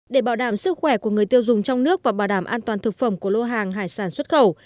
để bảo đảm sức khỏe của người tiêu dùng trong nước và bảo đảm an toàn thực phẩm của lô hàng hải sản xuất khẩu